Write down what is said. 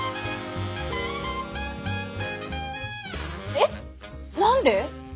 えっ何で！？